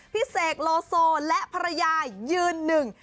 เสกโลโซและภรรยายืนหนึ่ง